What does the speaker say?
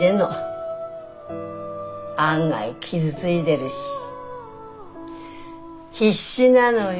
案外傷ついでるし必死なのよ。